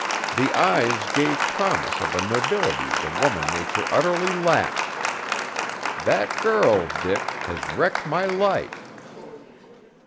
The eyes gave promise of a nobility the woman nature utterly lacked. That girl, Dick, has wrecked my life!"